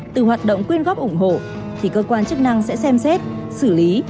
từ hoạt động quyên góp ủng hộ thì cơ quan chức năng sẽ xem xét xử lý